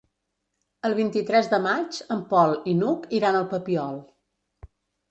El vint-i-tres de maig en Pol i n'Hug iran al Papiol.